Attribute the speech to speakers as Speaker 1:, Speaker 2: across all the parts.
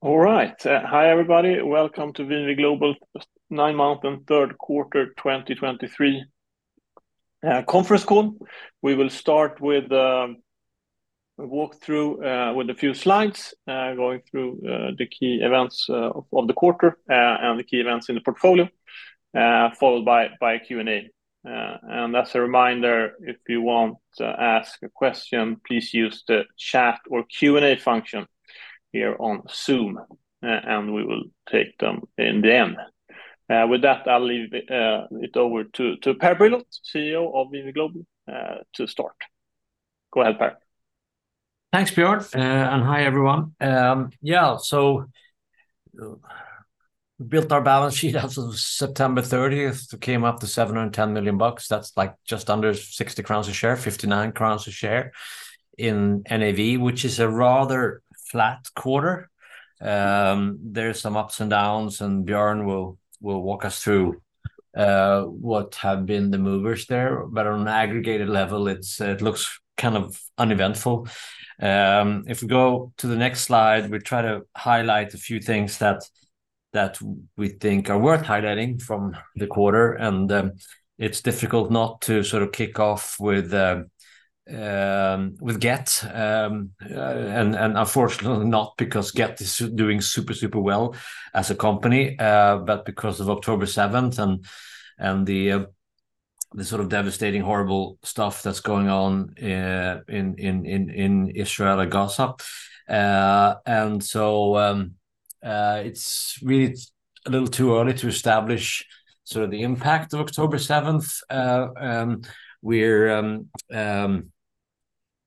Speaker 1: All right. Hi, everybody. Welcome to VNV Global 9-month and third quarter 2023 conference call. We will start with a walkthrough with a few slides going through the key events of the quarter and the key events in the portfolio followed by a Q&A. As a reminder, if you want to ask a question, please use the chat or Q&A function here on Zoom, and we will take them in the end. With that, I'll leave it over to Per Brilioth, CEO of VNV Global, to start. Go ahead, Per.
Speaker 2: Thanks, Björn. And hi, everyone. Yeah, so we built our balance sheet as of September 30th, came up to $710 million. That's like just under 60 crowns a share, 59 crowns a share in NAV, which is a rather flat quarter. There are some ups and downs, and Björn will walk us through what have been the movers there. But on an aggregated level, it's, it looks kind of uneventful. If we go to the next slide, we try to highlight a few things that we think are worth highlighting from the quarter. And, it's difficult not to sort of kick off with Gett. Unfortunately, not because Gett is doing super, super well as a company, but because of October 7th and the sort of devastating, horrible stuff that's going on in Israel and Gaza. So, it's really a little too early to establish sort of the impact of October 7th.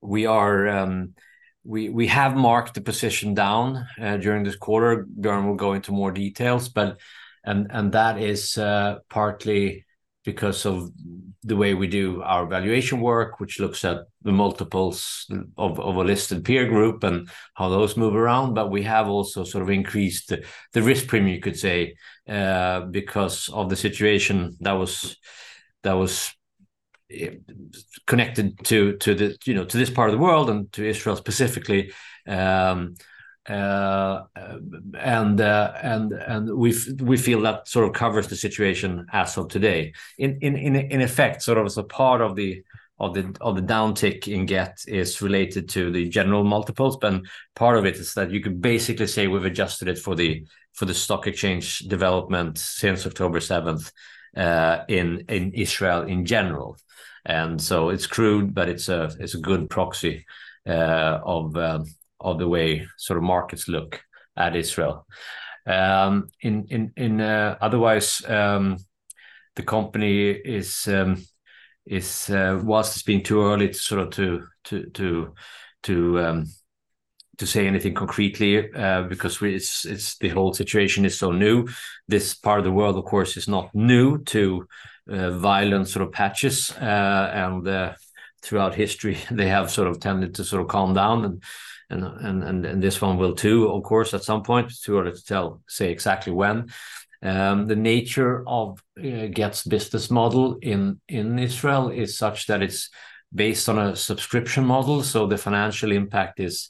Speaker 2: We have marked the position down during this quarter. Björn will go into more details, but that is partly because of the way we do our valuation work, which looks at the multiples of a listed peer group and how those move around. But we have also sort of increased the risk premium, you could say, because of the situation that was connected to the, you know, to this part of the world and to Israel specifically. And we feel that sort of covers the situation as of today. In effect, sort of as a part of the downtick in Gett is related to the general multiples, but part of it is that you could basically say we've adjusted it for the stock exchange development since October 7th in Israel in general. And so it's crude, but it's a good proxy of the way sort of markets look at Israel. Otherwise, the company is whilst it's been too early to sort of say anything concretely, because it's the whole situation is so new. This part of the world, of course, is not new to violent sort of patches. And throughout history, they have sort of tended to sort of calm down, and this one will, too, of course, at some point. It's too early to tell, say exactly when. The nature of Gett's business model in Israel is such that it's based on a subscription model, so the financial impact is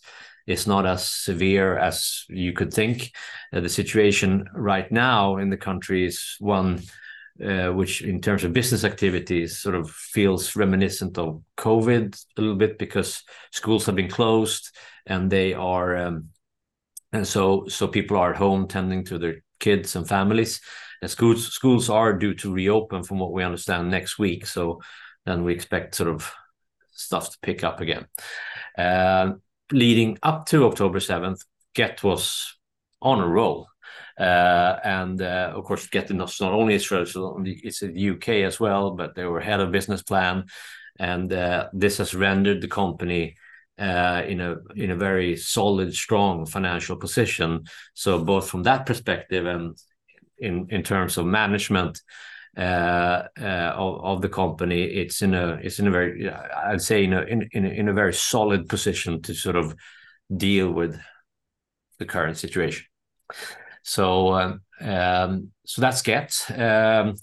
Speaker 2: not as severe as you could think. The situation right now in the country is one, which in terms of business activity, sort of feels reminiscent of COVID a little bit because schools have been closed, and so people are at home tending to their kids and families. And schools are due to reopen, from what we understand, next week, so then we expect sort of stuff to pick up again. Leading up to October 7th, Gett was on a roll. And, of course, Gett is not only in Israel, it's in the U.K. as well, but they were ahead of business plan, and this has rendered the company in a very solid, strong financial position. So both from that perspective and in terms of management of the company, it's in a very solid position to sort of deal with the current situation. So that's Gett.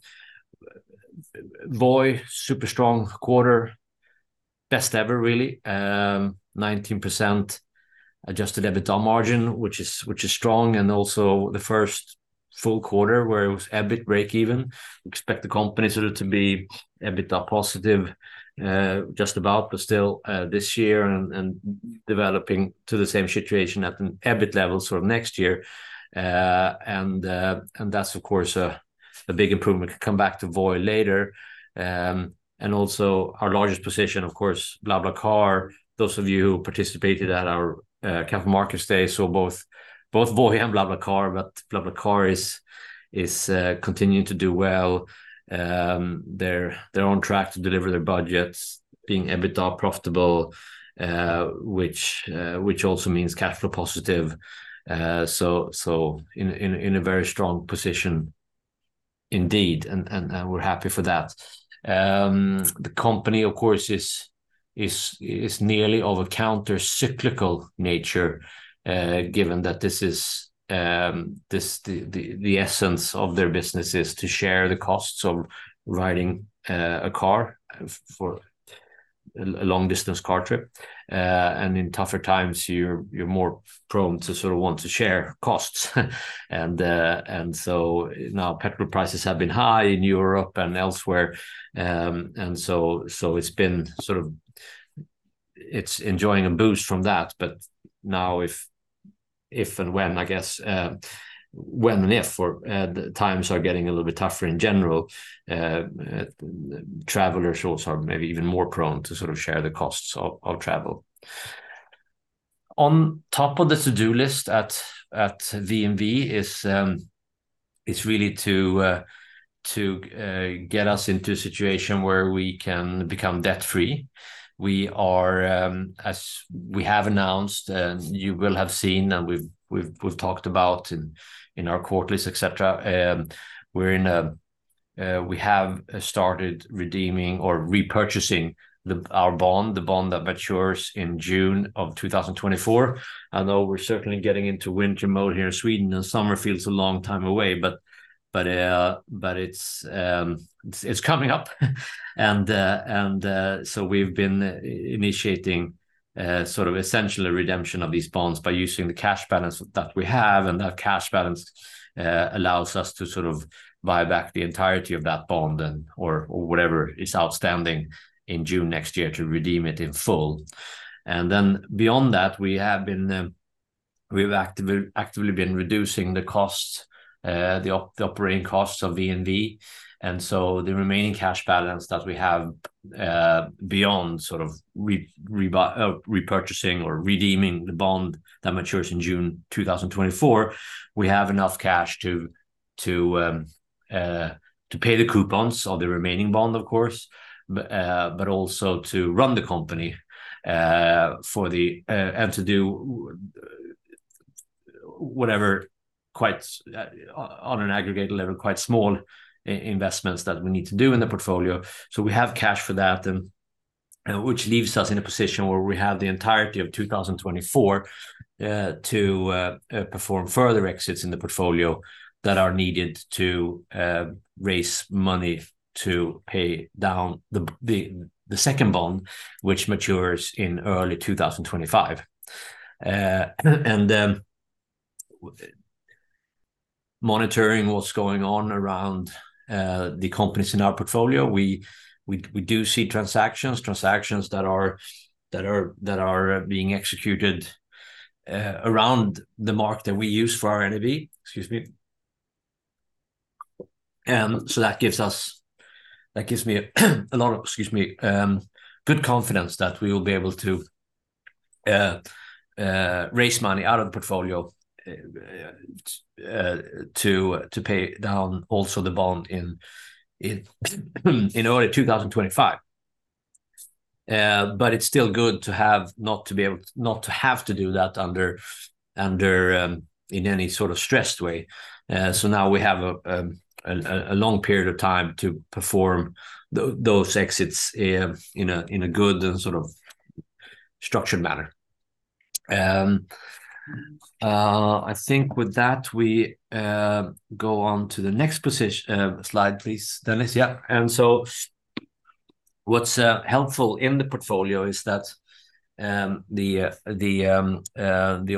Speaker 2: Voi, super strong quarter, best ever, really. 19% Adjusted EBITDA margin, which is strong, and also the first full quarter where it was EBIT break even. Expect the company sort of to be EBITDA positive just about, but still this year and developing to the same situation at an EBIT level sort of next year. And that's of course a big improvement. We could come back to Voi later. And also our largest position, of course, BlaBlaCar. Those of you who participated at our Capital Markets Day saw both Voi and BlaBlaCar, but BlaBlaCar is continuing to do well. They're on track to deliver their budgets, being EBITDA profitable, which also means cash flow positive. So in a very strong position indeed, and we're happy for that. The company, of course, is nearly of a counter-cyclical nature, given that this is the essence of their business is to share the costs of riding a car for a long-distance car trip. And in tougher times, you're more prone to sort of want to share costs. And so now petrol prices have been high in Europe and elsewhere. And so it's been sort of enjoying a boost from that. But now, if and when, I guess, when and if times are getting a little bit tougher in general, travelers also are maybe even more prone to sort of share the costs of travel. On top of the to-do list at VNV is really to get us into a situation where we can become debt-free. We are. As we have announced, and you will have seen, and we've talked about in our quarterlies, et cetera, we're in a we have started redeeming or repurchasing our bond, the bond that matures in June of 2024. I know we're certainly getting into winter mode here in Sweden, and summer feels a long time away, but it's coming up. And so we've been initiating sort of essentially redemption of these bonds by using the cash balance that we have, and that cash balance allows us to sort of buy back the entirety of that bond or whatever is outstanding in June next year to redeem it in full. And then beyond that, we have been. We've actively been reducing the costs, the operating costs of VNV, and so the remaining cash balance that we have, beyond sort of repurchasing or redeeming the bond that matures in June 2024, we have enough cash to pay the coupons on the remaining bond, of course, but also to run the company, for the... And to do whatever, quite, on an aggregate level, quite small investments that we need to do in the portfolio. So we have cash for that, and which leaves us in a position where we have the entirety of 2024 to perform further exits in the portfolio that are needed to raise money to pay down the second bond, which matures in early 2025. And monitoring what's going on around the companies in our portfolio, we do see transactions that are being executed around the mark that we use for our NAV. So that gives us—that gives me a lot of good confidence that we will be able to raise money out of the portfolio to pay down also the bond in early 2025. But it's still good to have, not to have to do that under in any sort of stressed way. So now we have a long period of time to perform those exits in a good and sort of structured manner. I think with that, we go on to the next slide, please, Dennis. Yeah. And so what's helpful in the portfolio is that the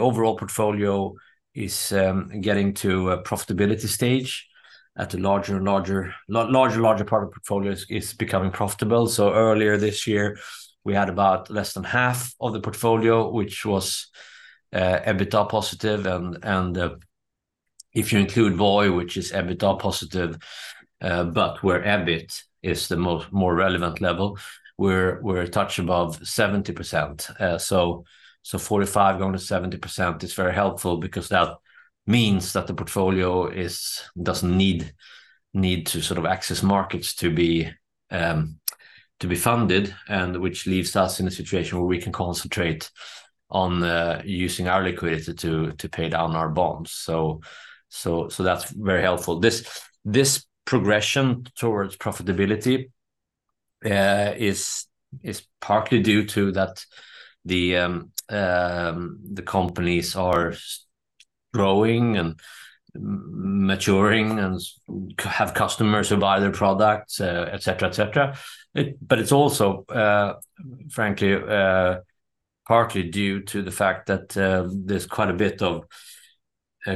Speaker 2: overall portfolio is getting to a profitability stage at a larger and larger part of the portfolio is becoming profitable. So earlier this year, we had about less than half of the portfolio, which was EBITDA positive, and if you include Voi, which is EBITDA positive, but where EBIT is the more relevant level, we're a touch above 70%. So that's very helpful. This progression towards profitability is partly due to that the companies are growing and maturing and have customers who buy their products, et cetera, et cetera. But it's also, frankly, partly due to the fact that there's quite a bit of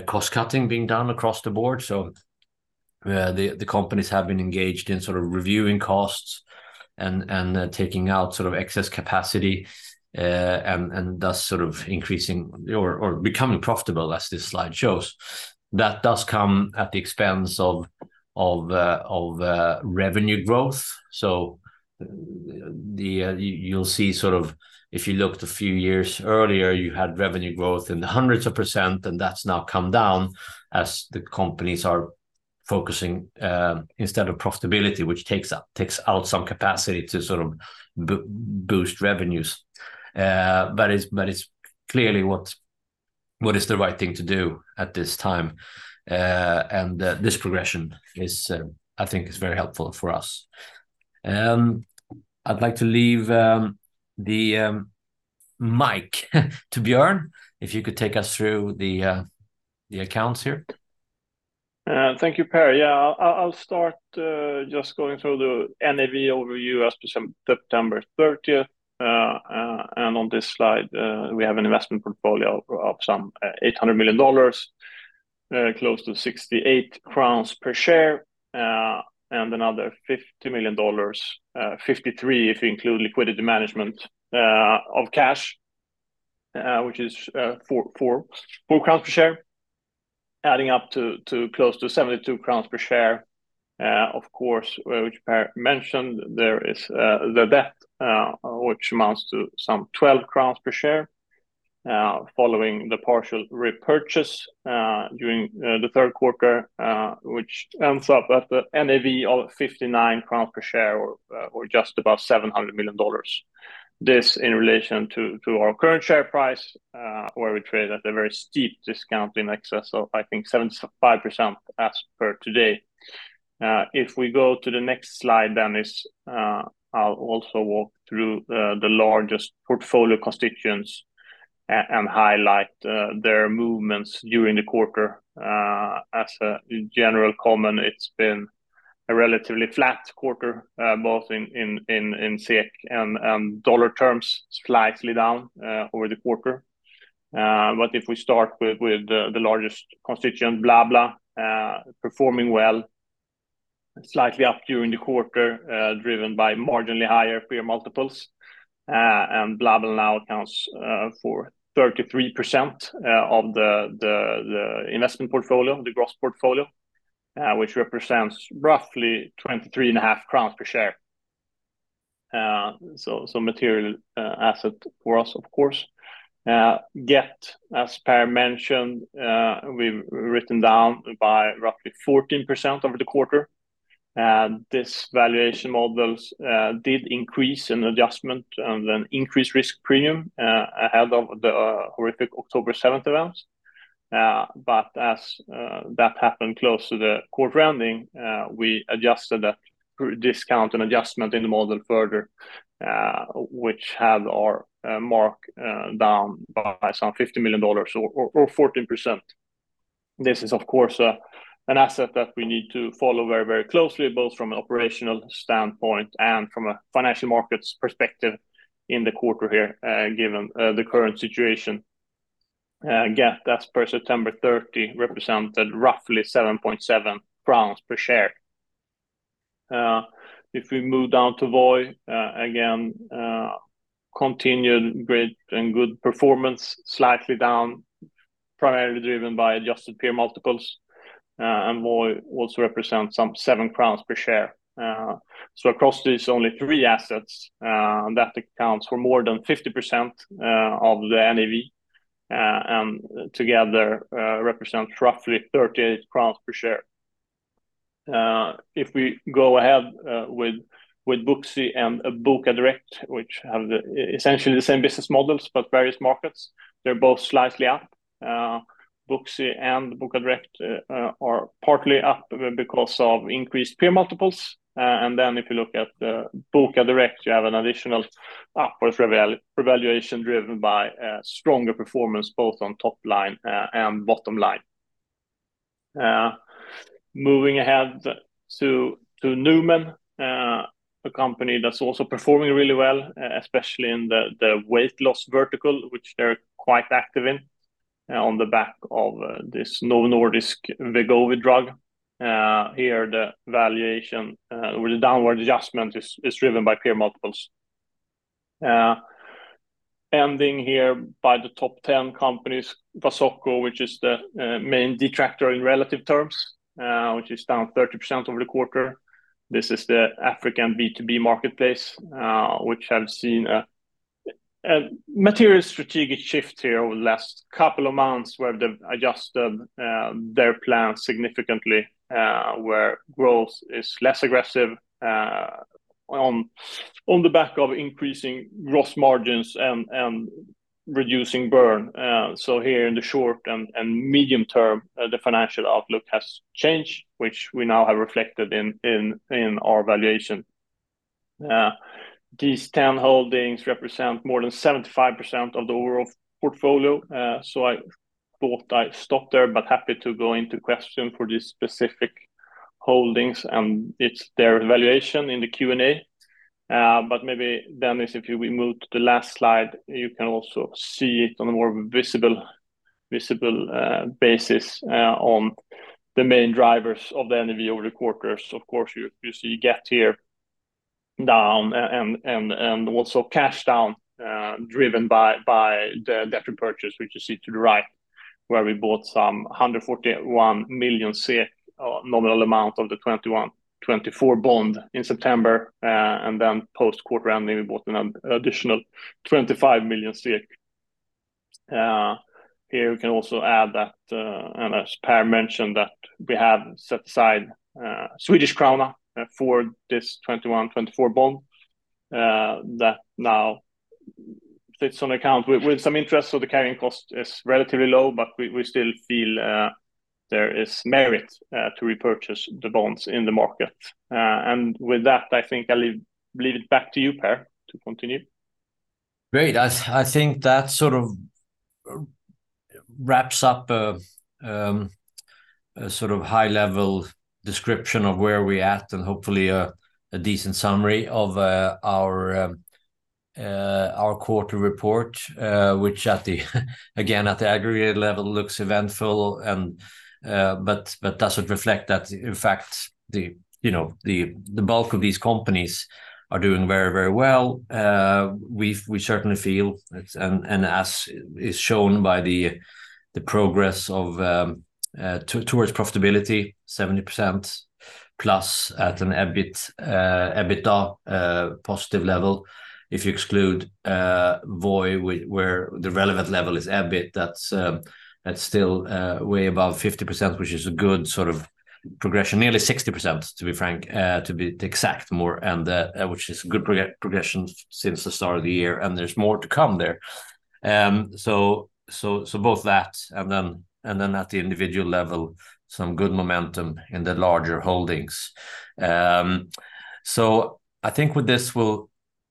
Speaker 2: cost-cutting being done across the board. So the companies have been engaged in sort of reviewing costs and taking out sort of excess capacity, and thus sort of increasing or becoming profitable, as this slide shows. That does come at the expense of revenue growth. So you'll see sort of, if you looked a few years earlier, you had revenue growth in the hundreds of %, and that's now come down as the companies are focusing instead of profitability, which takes out some capacity to sort of boost revenues. But it's clearly what is the right thing to do at this time. And this progression, I think, is very helpful for us. I'd like to leave the mic to Björn. If you could take us through the accounts here?
Speaker 1: Thank you, Per. Yeah, I'll start just going through the NAV overview as per September 30th. And on this slide, we have an investment portfolio of some $800 million, close to 68 crowns per share, and another $50 million, 53, if you include liquidity management of cash, which is 4.44 crowns per share, adding up to close to 72 crowns per share. Of course, which Per mentioned, there is the debt, which amounts to some 12 crowns per share, following the partial repurchase during the third quarter, which ends up at the NAV of 59 crowns per share or just about $700 million. This in relation to our current share price, where we trade at a very steep discount in excess of, I think, 75% as per today. If we go to the next slide, Dennis, I'll also walk through the largest portfolio constituents and highlight their movements during the quarter. As a general comment, it's been a relatively flat quarter, both in SEK and dollar terms, slightly down over the quarter. But if we start with the largest constituent, BlaBla, performing well, slightly up during the quarter, driven by marginally higher peer multiples. And BlaBla now accounts for 33% of the investment portfolio, the gross portfolio, which represents roughly 23.5 crowns per share. So, so material asset for us, of course. Gett, as Per mentioned, we've written down by roughly 14% over the quarter. This valuation models did increase in adjustment and an increased risk premium ahead of the horrific October 7th events. But as that happened close to the quarter ending, we adjusted the discount and adjustment in the model further, which had our mark-down by some $50 million or 14%. This is, of course, an asset that we need to follow very, very closely, both from an operational standpoint and from a financial markets perspective in the quarter here, given the current situation. Gett, as per September 30, represented roughly SEK 7.7 per share. If we move down to Voi, again, continued great and good performance, slightly down, primarily driven by adjusted peer multiples. And Voi also represents some 7 crowns per share. So across these only 3 assets, that accounts for more than 50% of the NAV, and together, represents roughly 38 crowns per share. If we go ahead with Booksy and Bokadirekt, which have essentially the same business models, but various markets, they're both slightly up. Booksy and Bokadirekt are partly up because of increased peer multiples. And then if you look at Bokadirekt, you have an additional upward revaluation driven by a stronger performance, both on top line and bottom line. Moving ahead to Numan, a company that's also performing really well, especially in the weight loss vertical, which they're quite active in, on the back of this Novo Nordisk Wegovy drug. Here, the valuation with the downward adjustment is driven by peer multiples. Ending here by the top 10 companies, Wasoko, which is the main detractor in relative terms, which is down 30% over the quarter. This is the African B2B marketplace, which have seen a material strategic shift here over the last couple of months, where they've adjusted their plans significantly, where growth is less aggressive, on the back of increasing gross margins and reducing burn. So here in the short and medium term, the financial outlook has changed, which we now have reflected in our valuation. These 10 holdings represent more than 75% of the overall portfolio. So I thought I'd stop there, but happy to go into question for these specific holdings, and it's their valuation in the Q&A. But maybe, Dennis, if you we move to the last slide, you can also see it on a more visible basis, on the main drivers of the NAV over the quarters. Of course, you see Gett here, down and also cash down, driven by the repurchase, which you see to the right, where we bought 141 million SEK nominal amount of the 2021-2024 bond in September, and then post-quarter ending, we bought an additional 25 million. Here we can also add that, and as Per mentioned, that we have set aside Swedish krona for this 2021-2024 bond that now sits on account with some interest, so the carrying cost is relatively low, but we still feel there is merit to repurchase the bonds in the market. And with that, I think I'll leave it back to you, Per, to continue....
Speaker 2: Great. I think that sort of wraps up a sort of high-level description of where we're at, and hopefully a decent summary of our quarter report. Which, again, at the aggregate level, looks eventful, but doesn't reflect that in fact, you know, the bulk of these companies are doing very, very well. We certainly feel, and as is shown by the progress towards profitability, 70%+ at an EBIT EBITDA positive level. If you exclude Voi, where the relevant level is EBIT, that's still way above 50%, which is a good sort of progression. Nearly 60%, to be frank, to be exact more, and which is good progression since the start of the year, and there's more to come there. So both that, and then at the individual level, some good momentum in the larger holdings. So I think with this, we'll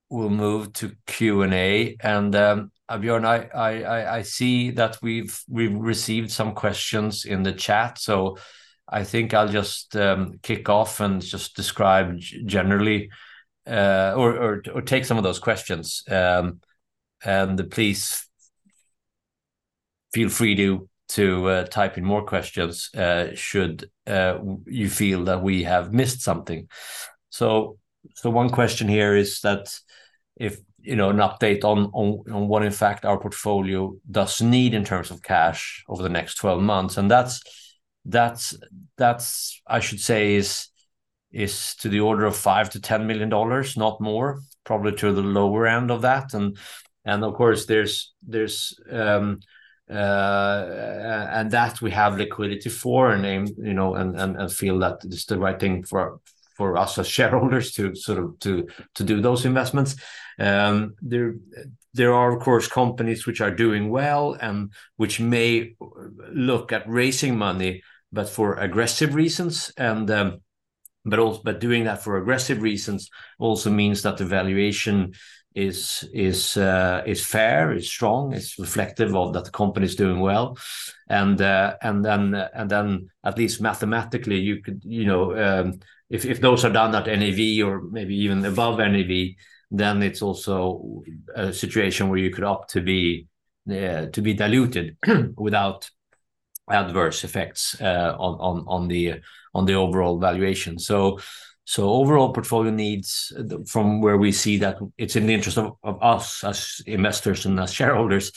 Speaker 2: move to Q&A, and Björn, I see that we've received some questions in the chat, so I think I'll just kick off and just describe generally or take some of those questions. And please feel free to type in more questions should you feel that we have missed something. So one question here is that if, you know, an update on what, in fact, our portfolio does need in terms of cash over the next 12 months, and that's, I should say, to the order of $5 million-$10 million, not more, probably to the lower end of that. And of course, and that we have liquidity for, and, you know, feel that it's the right thing for us as shareholders to sort of do those investments. There are, of course, companies which are doing well and which may look at raising money, but for aggressive reasons, and but doing that for aggressive reasons also means that the valuation is fair, is strong, it's reflective of that the company's doing well. At least mathematically, you could, you know, if those are done at NAV or maybe even above NAV, then it's also a situation where you could opt to be diluted without adverse effects on the overall valuation. So overall portfolio needs, from where we see that it's in the interest of us as investors and as shareholders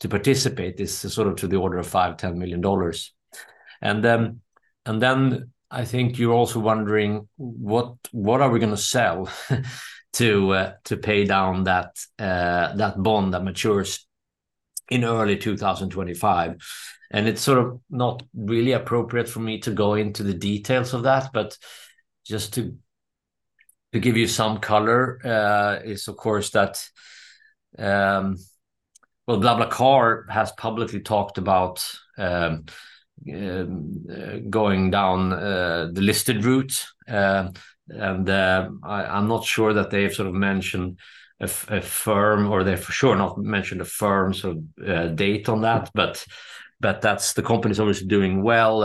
Speaker 2: to participate, is sort of to the order of $5-$10 million. Then I think you're also wondering, what are we gonna sell to pay down that bond that matures in early 2025? And it's sort of not really appropriate for me to go into the details of that, but just to give you some color, is of course, that. Well, BlaBlaCar has publicly talked about going down the listed route, and I'm not sure that they've sort of mentioned a firm, or they've for sure not mentioned a firm date on that, but that's the company's obviously doing well,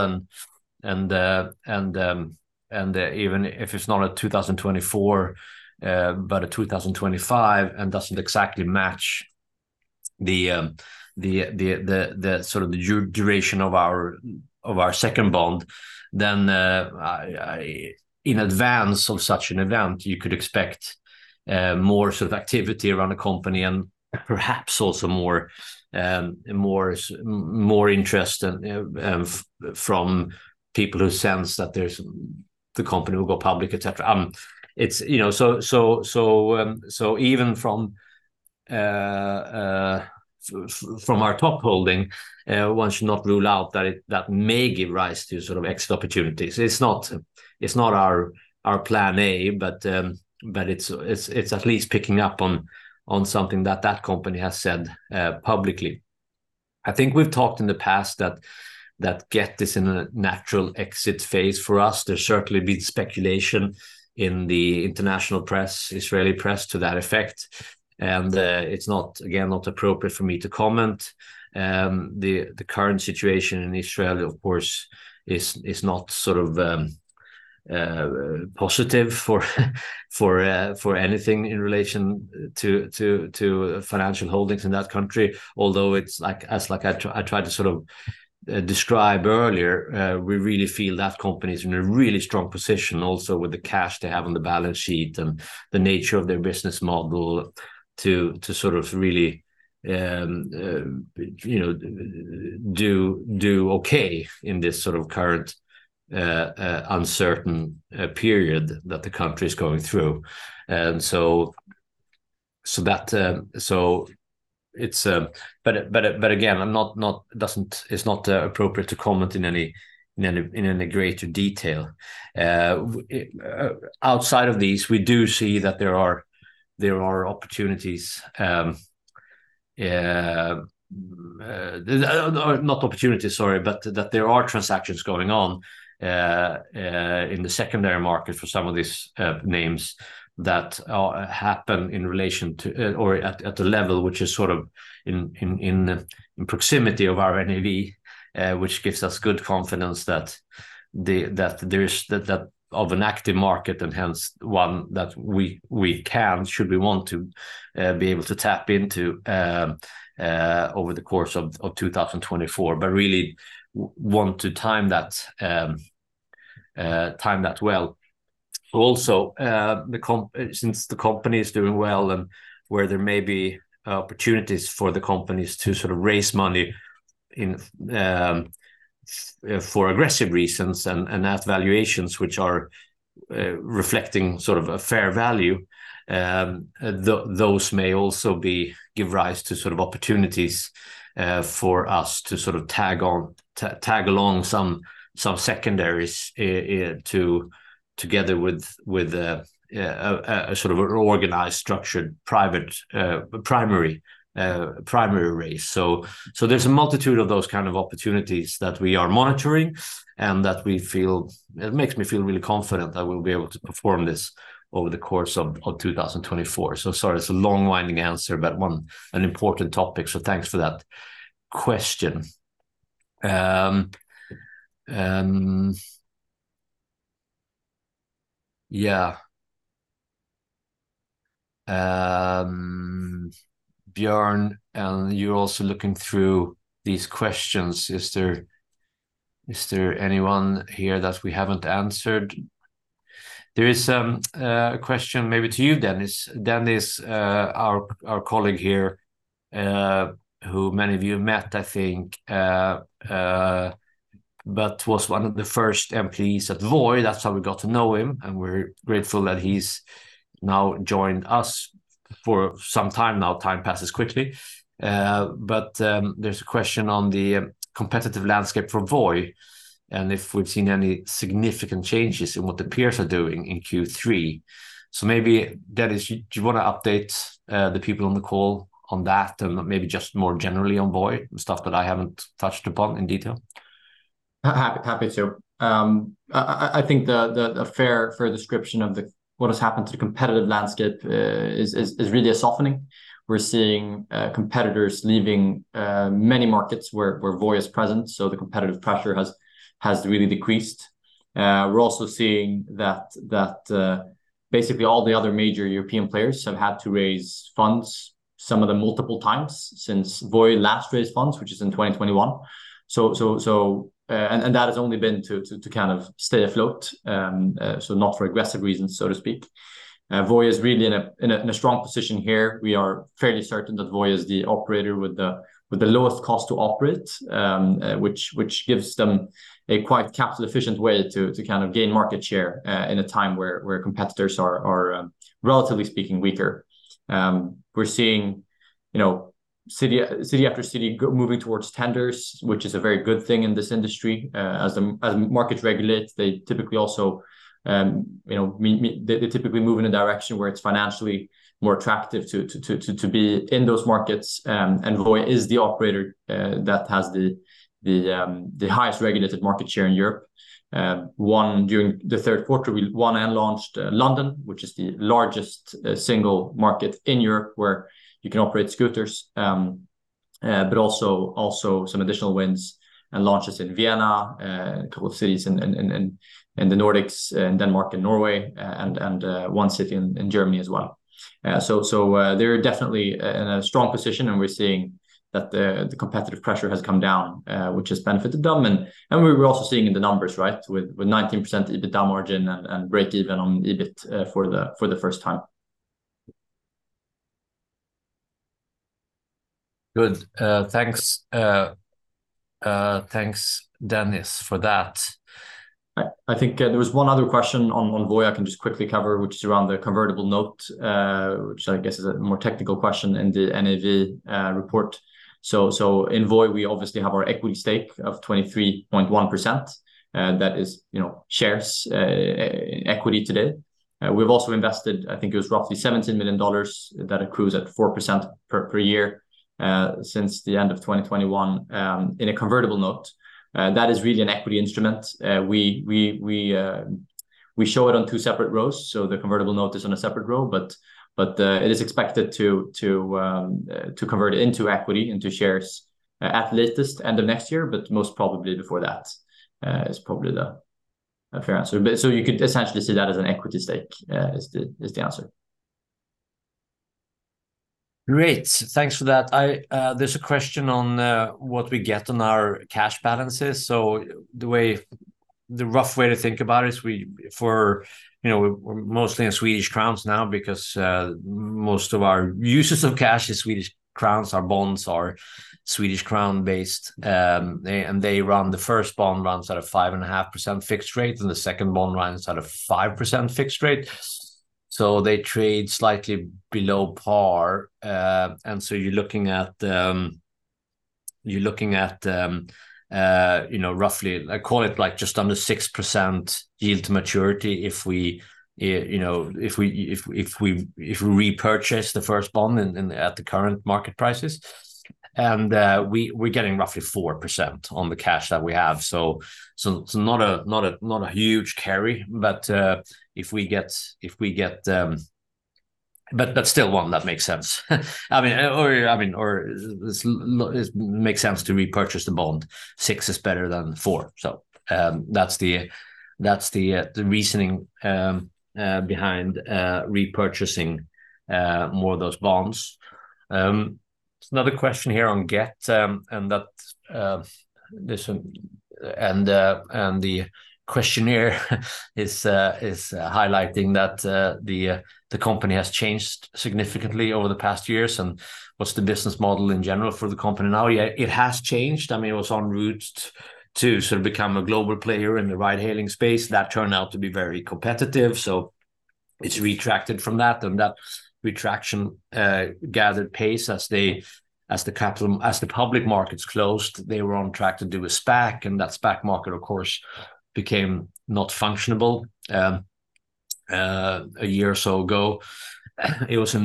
Speaker 2: and even if it's not a 2024 but a 2025, and doesn't exactly match the sort of the duration of our second bond, then I... In advance of such an event, you could expect more sort of activity around the company and perhaps also more interest from people who sense that there's the company will go public, et cetera. It's, you know, so even from our top holding, one should not rule out that it may give rise to sort of exit opportunities. It's not our plan A, but it's at least picking up on something that company has said publicly. I think we've talked in the past that Gett is in a natural exit phase for us. There's certainly been speculation in the international press, Israeli press, to that effect, and it's not, again, not appropriate for me to comment. The current situation in Israel, of course, is not sort of positive for anything in relation to financial holdings in that country. Although it's like as I tried to sort of describe earlier, we really feel that company is in a really strong position, also with the cash they have on the balance sheet and the nature of their business model, to sort of really, you know, do okay in this sort of current uncertain period that the country is going through. And so, so that so it's... But again, it's not appropriate to comment in any greater detail. Outside of these, we do see that there are opportunities... Not opportunity, sorry, but that there are transactions going on in the secondary market for some of these names that happen in relation to or at a level which is sort of in the proximity of our NAV, which gives us good confidence that there is an active market, and hence one that we can, should we want to, be able to tap into over the course of 2024. But really want to time that well. Also, the company is doing well, and where there may be opportunities for the companies to sort of raise money in for aggressive reasons and at valuations which are reflecting sort of a fair value, those may also give rise to sort of opportunities for us to sort of tag along some secondaries together with a sort of an organized, structured, private primary raise. So there's a multitude of those kind of opportunities that we are monitoring and that we feel it makes me feel really confident that we'll be able to perform this over the course of 2024. So sorry, it's a long, winding answer, but an important topic, so thanks for that question. Yeah. Björn, and you're also looking through these questions. Is there anyone here that we haven't answered? There is a question maybe to you, Dennis. Dennis, our colleague here, who many of you met, I think, but was one of the first employees at Voi. That's how we got to know him, and we're grateful that he's now joined us for some time now. Time passes quickly. But, there's a question on the competitive landscape for Voi and if we've seen any significant changes in what the peers are doing in Q3. So maybe, Dennis, do you want to update the people on the call on that and maybe just more generally on Voi, stuff that I haven't touched upon in detail?
Speaker 3: Happy to. I think a fair description of what has happened to the competitive landscape is really a softening. We're seeing competitors leaving many markets where Voi is present, so the competitive pressure has really decreased. We're also seeing that basically all the other major European players have had to raise funds, some of them multiple times since Voi last raised funds, which is in 2021. And that has only been to kind of stay afloat, so not for aggressive reasons, so to speak. Voi is really in a strong position here. We are fairly certain that Voi is the operator with the lowest cost to operate, which gives them a quite capital-efficient way to kind of gain market share, in a time where competitors are relatively speaking, weaker. We're seeing, you know, city after city moving towards tenders, which is a very good thing in this industry. As markets regulate, they typically also, you know, they typically move in a direction where it's financially more attractive to be in those markets. And Voi is the operator that has the highest regulated market share in Europe. During the third quarter, we won and launched London, which is the largest single market in Europe, where you can operate scooters. But also some additional wins and launches in Vienna, a couple of cities in the Nordics, in Denmark and Norway, and one city in Germany as well. So they're definitely in a strong position, and we're seeing that the competitive pressure has come down, which has benefited them. And we're also seeing in the numbers, right? With 19% EBITDA margin and break even on EBIT, for the first time.
Speaker 2: Good. Thanks, Dennis, for that.
Speaker 3: I think there was one other question on Voi I can just quickly cover, which is around the convertible note, which I guess is a more technical question in the NAV report. So in Voi, we obviously have our equity stake of 23.1%, that is, you know, shares, equity today. We've also invested, I think it was roughly $17 million, that accrues at 4% per year, since the end of 2021, in a convertible note. That is really an equity instrument. We show it on two separate rows, so the convertible note is on a separate row, but it is expected to convert into equity, into shares, at least end of next year, but most probably before that, is probably a fair answer. But so you could essentially see that as an equity stake, is the answer.
Speaker 2: Great, thanks for that. There's a question on what we get on our cash balances. So the rough way to think about it is, you know, we're mostly in Swedish SEK now because most of our uses of cash is Swedish SEK. Our bonds are Swedish crown-based, and the first bond runs at a 5.5% fixed rate, and the second bond runs at a 5% fixed rate. So they trade slightly below par, and so you're looking at, you know, roughly, I call it, like, just under 6% yield to maturity if we, you know, if we repurchase the first bond in at the current market prices. and, we, we're getting roughly 4% on the cash that we have. So not a huge carry, but if we get... But that's still one that makes sense. I mean, or it's, it makes sense to repurchase the bond. 6 is better than 4. So that's the reasoning behind repurchasing more of those bonds. There's another question here on Gett, and that this, and the question here is highlighting that the company has changed significantly over the past years, and what's the business model in general for the company now? Yeah, it has changed. I mean, it was en route to sort of become a global player in the ride-hailing space. That turned out to be very competitive, so it's retracted from that, and that retraction gathered pace as the public markets closed. They were on track to do a SPAC, and that SPAC market, of course, became not functionable a year or so ago. It was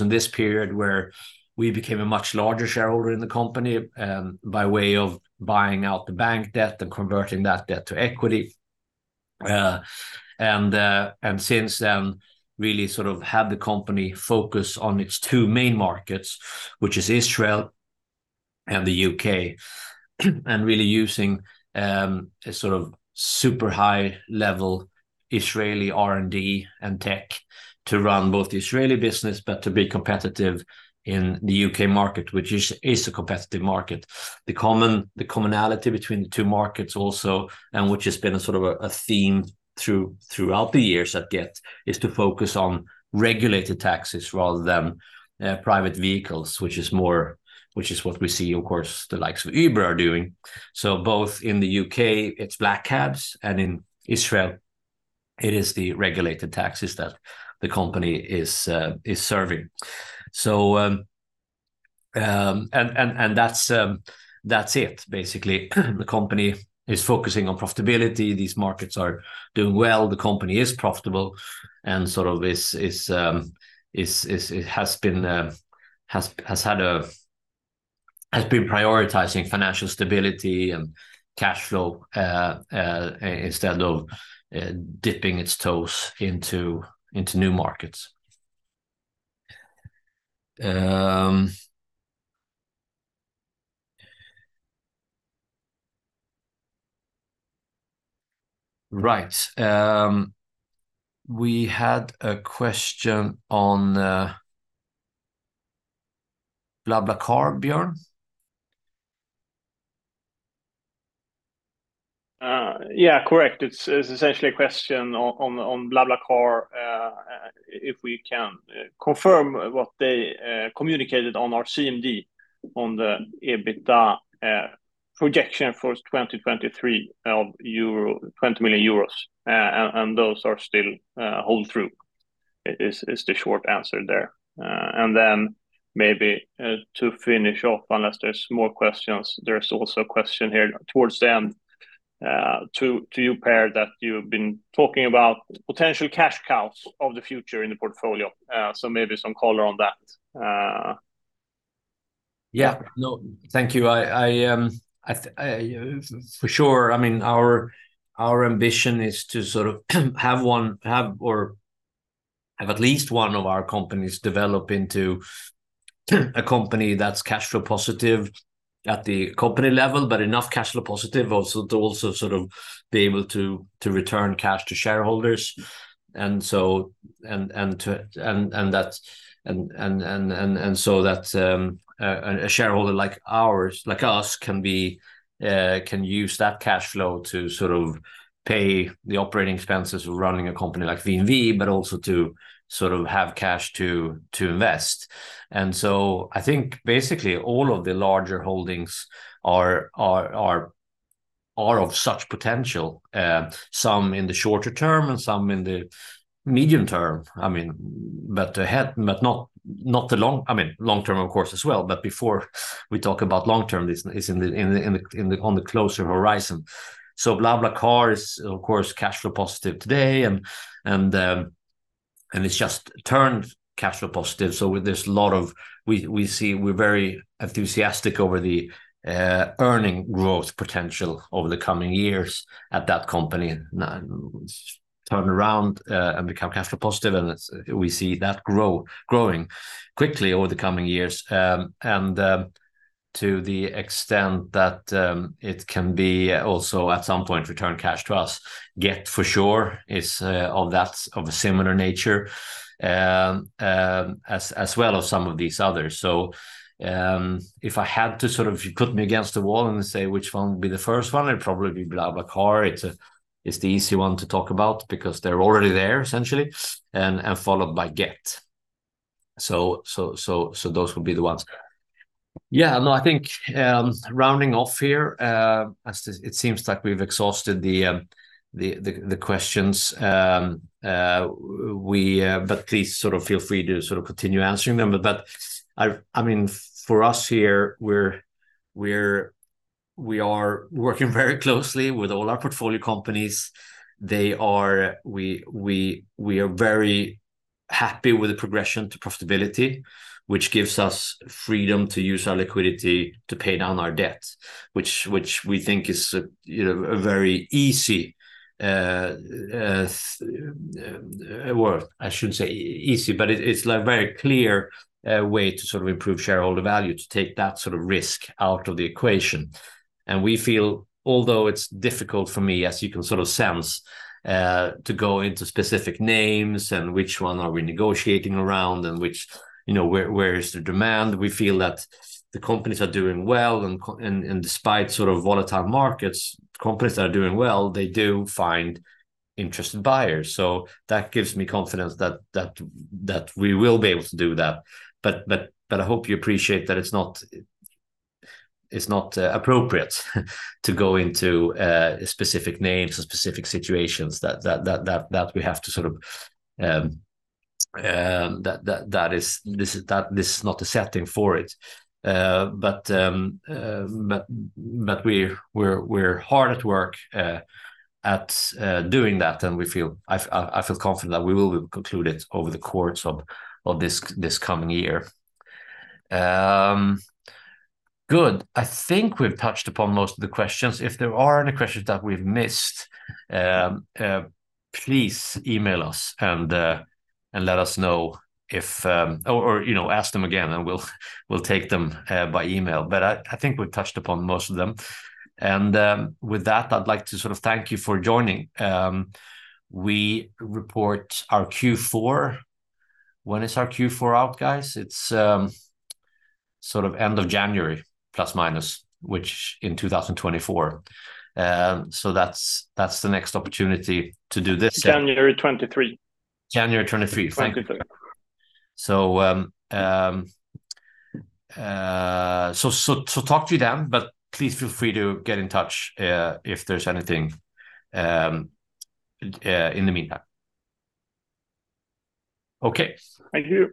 Speaker 2: in this period where we became a much larger shareholder in the company by way of buying out the bank debt and converting that debt to equity. And since then, really sort of had the company focus on its two main markets, which is Israel and the UK, and really using a sort of super high-level Israeli R&D and tech to run both the Israeli business, but to be competitive in the UK market, which is a competitive market. The commonality between the two markets also, and which has been a sort of a theme throughout the years at Gett, is to focus on regulated taxis rather than private vehicles, which is what we see, of course, the likes of Uber are doing. So both in the U.K., it's black cabs, and in Israel, it is the regulated taxis that the company is serving. So, and that's it, basically. The company is focusing on profitability. These markets are doing well. The company is profitable, and sort of is it has been prioritizing financial stability and cash flow instead of dipping its toes into new markets. Right. We had a question on BlaBlaCar, Björn?
Speaker 1: Yeah, correct. It's essentially a question on BlaBlaCar, if we can confirm what they communicated on our CMD, on the EBITDA projection for 2023 of 20 million euros, and those are still hold through, is the short answer there. And then maybe to finish off, unless there's more questions, there's also a question here towards the end, to you, Per, that you've been talking about potential cash cows of the future in the portfolio.
Speaker 2: Yeah. No, thank you. For sure, I mean, our ambition is to sort of have one or have at least one of our companies develop into a company that's cash flow positive at the company level, but enough cash flow positive to sort of be able to return cash to shareholders. And so that a shareholder like ours, like us, can use that cash flow to sort of pay the operating expenses of running a company like VNV, but also to sort of have cash to invest. And so I think basically all of the larger holdings are of such potential, some in the shorter term and some in the medium term. I mean, but not the long- I mean, long term, of course, as well. But before we talk about long term, this is in the closer horizon. So BlaBlaCar is, of course, cash flow positive today, and it's just turned cash flow positive. So there's a lot of we see we're very enthusiastic over the earning growth potential over the coming years at that company. Now, turn around and become cash flow positive, and we see that growing quickly over the coming years, and to the extent that it can also at some point return cash to us. Gett, for sure, is of a similar nature, as well as some of these others. So, if I had to sort of, if you put me against the wall and say, "Which one would be the first one?" It'd probably be BlaBlaCar. It's the easy one to talk about because they're already there essentially, and followed by Gett. So those would be the ones. Yeah, no, I think, rounding off here, as it seems like we've exhausted the questions, but please sort of feel free to sort of continue answering them. But, I mean, for us here, we're- we are working very closely with all our portfolio companies. We are very happy with the progression to profitability, which gives us freedom to use our liquidity to pay down our debt, which we think is a, you know, a very easy, well, I shouldn't say easy, but it's like very clear way to sort of improve shareholder value, to take that sort of risk out of the equation. And we feel, although it's difficult for me, as you can sort of sense, to go into specific names and which one are we negotiating around, and which, you know, where is the demand? We feel that the companies are doing well, and and despite sort of volatile markets, companies that are doing well, they do find interested buyers. So that gives me confidence that we will be able to do that. But I hope you appreciate that it's not appropriate to go into specific names or specific situations that we have to sort of... That this is not the setting for it. But we're hard at work doing that, and we feel, I feel confident that we will conclude it over the course of this coming year. Good. I think we've touched upon most of the questions. If there are any questions that we've missed, please email us, and let us know if... Or, you know, ask them again, and we'll take them by email. But I think we've touched upon most of them. With that, I'd like to sort of thank you for joining. We report our Q4. When is our Q4 out, guys? It's sort of end of January, plus, minus, which in 2024. So that's the next opportunity to do this:
Speaker 1: January 23.
Speaker 2: January 23. 23. So talk to you then, but please feel free to get in touch, if there's anything in the meantime.
Speaker 1: Okay. Thank you.